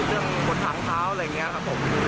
บนทางเท้าอะไรอย่างนี้ครับผม